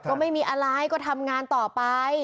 ก็ไม่มีอะไรก็ทำงานต่อไป